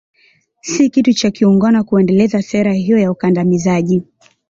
Si kitu cha kiungwana kuendeleza sera hiyo ya ukandamizaji